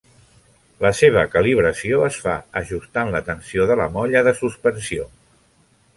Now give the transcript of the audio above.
La seva calibració es fa ajustant la tensió de la molla de suspensió.